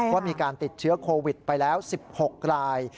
ว่ามีการติดเชื้อโควิดไปแล้ว๑๖ราย